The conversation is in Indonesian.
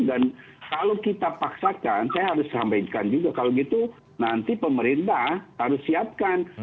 dan kalau kita paksakan saya harus sampaikan juga kalau gitu nanti pemerintah harus siapkan